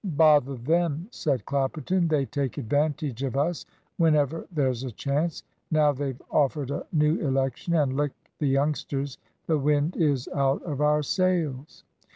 "Bother them!" said Clapperton. "They take advantage of us whenever there's a chance. Now they've offered a new election, and licked the youngsters, the wind is out of our sails."